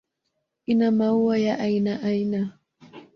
Ina maua ya aina aina.